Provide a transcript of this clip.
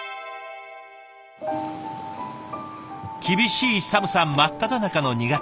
厳しい寒さ真っただ中の２月。